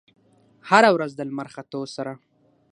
هره ورځ د لمر ختو سره